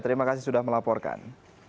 terima kasih sudah melaporkan